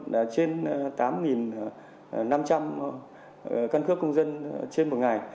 là trên tám năm trăm linh căn cước công dân trên một ngày